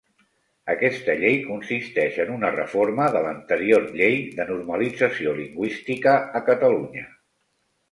Aquesta llei consisteix en una reforma de l'anterior Llei de Normalització Lingüística a Catalunya.